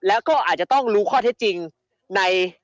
แล้วก็อาจจะต้องรู้ข้อเท็จจริงใน